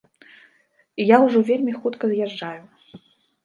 І я ўжо вельмі хутка з'язджаю.